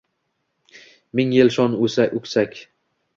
Ming yil shon o’kisak